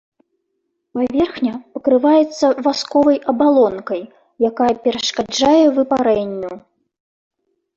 Паверхня пакрываецца васковай абалонкай, якая перашкаджае выпарэнню.